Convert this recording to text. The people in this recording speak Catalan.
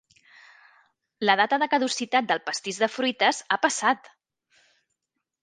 La data de caducitat del pastís de fruites ha passat.